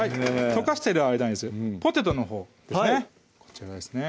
溶かしてる間にポテトのほうですねこちらですね